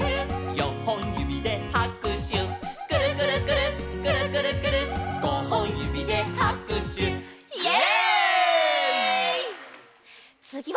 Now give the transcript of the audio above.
「よんほんゆびではくしゅ」「くるくるくるっくるくるくるっごほんゆびではくしゅ」イエイ！